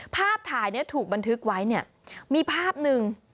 ภาพถ่ายถูกบันทึกไว้มีภาพหนึ่ง